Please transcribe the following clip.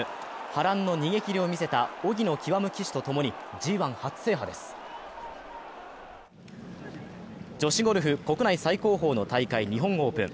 波乱の逃げ切りを見せた荻野極騎手とともにＧⅠ初制覇です女子ゴルフ国内最高峰の大会、日本オープン。